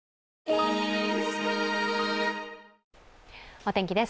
お天気です。